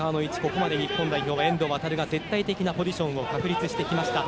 ここまで日本代表は遠藤航が絶対的なポジションを確立してきました。